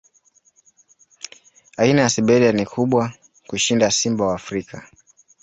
Aina ya Siberia ni kubwa kushinda simba wa Afrika.